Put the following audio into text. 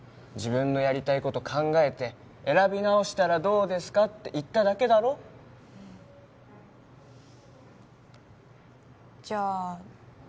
自分のやりたいこと考えて選び直したらどうですかって言っただけだろじゃあ